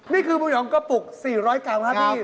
นี่คือโมยองกระปุก๔๐๐กลางครับนี่